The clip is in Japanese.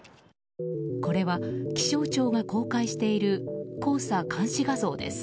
これは気象庁が公開している黄砂監視画像です。